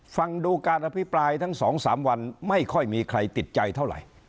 ฟังดูการอภิปรายทั้ง๒๓วันไม่ค่อยมีใครติดใจเท่าไหร่